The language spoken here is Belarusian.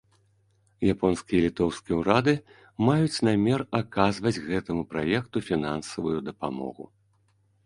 Японскі і літоўскі ўрады маюць намер аказваць гэтаму праекту фінансавую дапамогу.